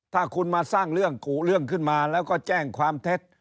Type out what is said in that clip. ถ้าคุณมาสร้างเรื่องกุเรื่องขึ้นมาแล้วก็แจ้งความเท็จ